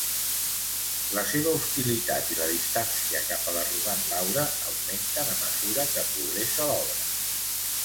La seva hostilitat i la distància cap a l'arrogant Laura augmenten a mesura que progressa l'obra.